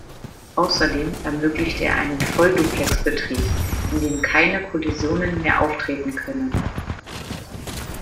Außerdem ermöglicht er einen Vollduplex-Betrieb, in dem keine Kollisionen mehr auftreten können.